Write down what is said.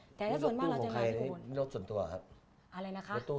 รถตู้ของใครรถส่วนตัวหรอครับ